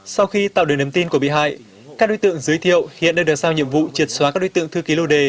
sau khi tạo được niềm tin của bị hại các đối tượng giới thiệu hiện đang được sao nhiệm vụ triệt xóa các đối tượng thư ký lô đề